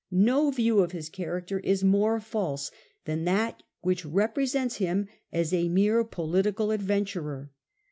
No view of his character is more false than that which represents him as a mere political adven turer!